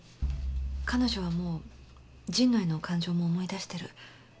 彼女はもう神野への感情も思い出してる。